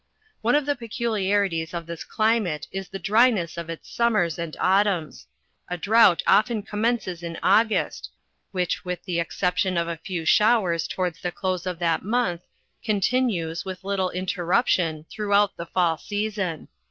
"One of the peculiarities of this climate is the dryness of its summers and autumns. A drought often commences in August, which with the exception of a few showers towards the close of that month, continues, with little interruption, throughout the fall season.